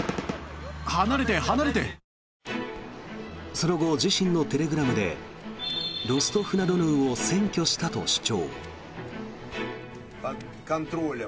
その後、自身のテレグラムでロストフナドヌーを占拠したと主張。